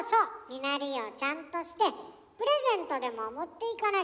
身なりをちゃんとしてプレゼントでも持って行かなきゃ。